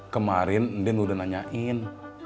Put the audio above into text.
kemarin din udah nanyain